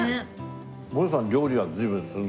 もえさん料理は随分するの？